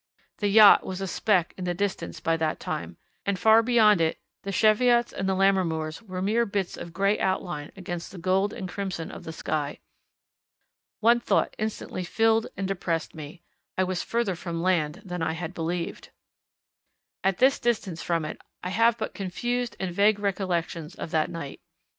The yacht was a speck in the distance by that time, and far beyond it the Cheviots and the Lammermoors were mere bits of grey outline against the gold and crimson of the sky. One thought instantly filled and depressed me I was further from land than I had believed. At this distance from it I have but confused and vague recollections of that night.